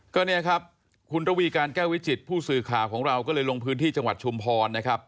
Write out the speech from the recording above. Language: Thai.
ก็เนี่ยครับคุณระวีการแก้ววิจิตผู้สื่อข่าวของเราก็เลยลงพื้นที่จังหวัดชุมพรนะครับ